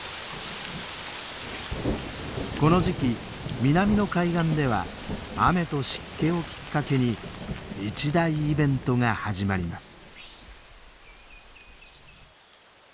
この時期南の海岸では雨と湿気をきっかけに一大イベントが始まります。